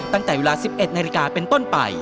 ตั้งแต่เวลา๑๑นาฬิกาเป็นต้นไป